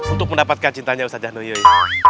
untuk mendapatkan cintanya ustadzah noyoy